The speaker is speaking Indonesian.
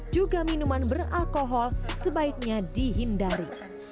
juga minuman beralkohol sebaiknya dihindari